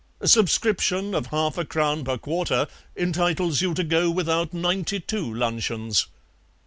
A subscription of half a crown per quarter entitles you to go without ninety two luncheons."